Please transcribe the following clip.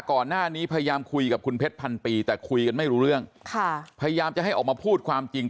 ก่อนหน้านี้พยายามคุยกับคุณเพชรพันปี